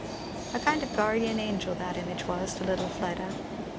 A kind of guardian angel that image was to little Fleda.